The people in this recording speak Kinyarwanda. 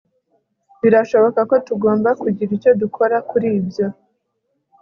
Birashoboka ko tugomba kugira icyo dukora kuri ibyo